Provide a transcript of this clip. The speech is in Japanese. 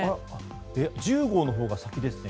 １０号のほうが先ですね。